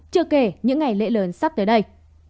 chưa kể những ngày lễ lớn sắp tới đây